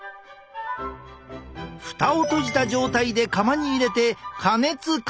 蓋を閉じた状態で窯に入れて加熱開始！